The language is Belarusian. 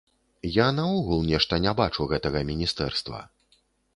Я наогул нешта не бачу гэтага міністэрства.